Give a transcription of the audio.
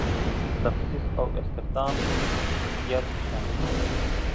تخصیص او استخدام هم په خصوصیاتو کې شامل دي.